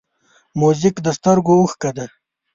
موزیک د سترګو اوښکه ده.